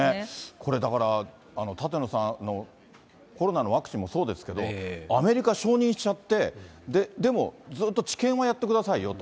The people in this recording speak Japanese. これだから、舘野さん、コロナのワクチンもそうですけど、アメリカ、承認しちゃって、でもずっと治験はやってくださいよと。